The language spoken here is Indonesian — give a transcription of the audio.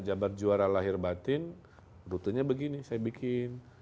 jabat juara lahir batin rutenya begini saya bikin